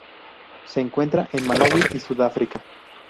Se encuentra en Malawi y Sudáfrica.